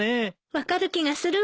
分かる気がするわ。